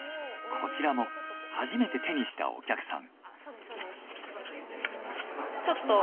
こちらも初めて手にしたお客さん。